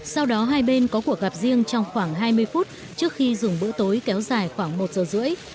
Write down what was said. sau đó hai bên có cuộc gặp riêng trong khoảng hai mươi phút trước khi dùng bữa tối kéo dài khoảng một giờ rưỡi